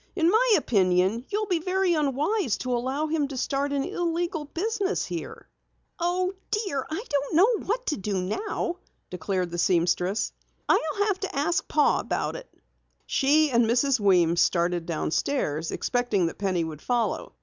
"In my opinion you'll be very unwise to allow him to start an illegal business here." "Oh, dear, I don't know what to do now," declared the seamstress. "I'll have to ask Pa about it." She and Mrs. Weems started downstairs, expecting that Penny would follow.